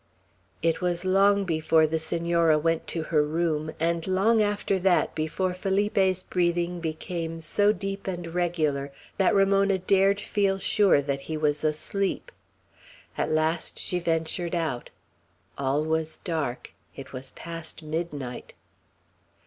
It was long before the Senora went to her room; and long after that before Felipe's breathing had become so deep and regular that Ramona dared feel sure that he was asleep. At last she ventured out. All was dark; it was past midnight.